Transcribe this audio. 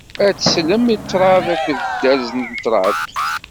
Ad teslem i ṭṭrad akked dderz n ṭṭrad.